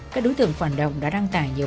các đối tượng phản động đã đăng tải nhiều